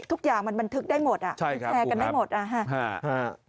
ทุกอย่างมันบรรทึกได้หมดอ่ะแชร์กันได้หมดอ่ะคุณครูครับใช่ครับ